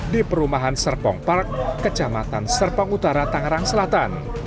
di perumahan serpong park kecamatan serpong utara tangerang selatan